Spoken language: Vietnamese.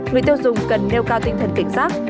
người tiêu dùng cần nêu cao tinh thần cảnh giác